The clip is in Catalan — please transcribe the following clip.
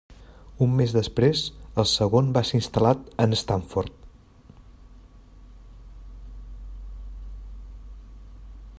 Un mes després el segon va ser instal·lat en Stanford.